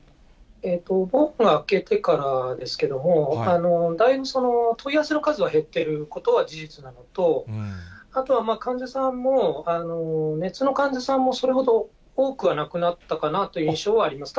お盆が明けてからですけれども、だいぶ問い合わせの数は減ってることは事実なのと、あとは患者さんも、熱の患者さんもそれほど多くはなくなったかなという印象はあります。